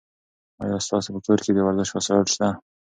ایا ستاسو په کور کې د ورزش وسایل شته؟